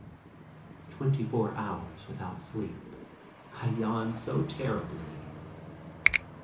Twenty four hours without sleep. I yawn so terribly.